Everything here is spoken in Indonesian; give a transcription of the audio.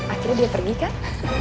akhirnya dia pergi kan